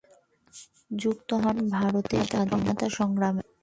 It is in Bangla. যুক্ত হন ভারতের স্বাধীনতা সংগ্রামে।